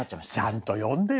ちゃんと呼んでよ。